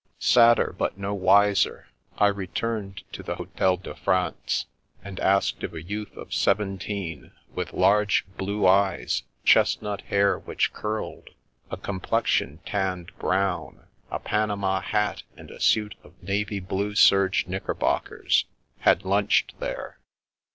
Sadder, but no wiser, I returned to the Hotel de France, and asked if a youth of seventeen, "with large blue eyes, chestnut hair which curled, a com plexion tanned brown, a panama hat, and a suit of navy blue serge knickerbockers," had lunched there.